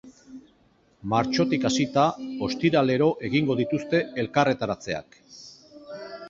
Martxotik hasita, ostiralero egingo dituzte elkarretaratzeak.